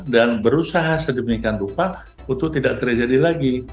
dan berusaha sedemikian rupa untuk tidak terjadi lagi